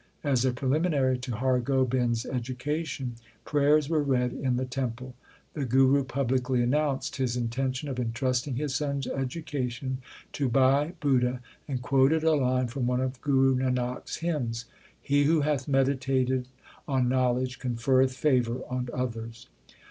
As a preliminary to Har Gobind s education, prayers were read in the temple. The Guru publicly announced his intention of entrusting his son s education to Bhai Budha, and quoted a line from one of Guru Nanak s hymns : He who hath meditated on knowledge conferreth favour on others.